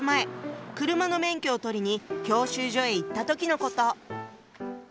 車の免許を取りに教習所へ行った時のこと。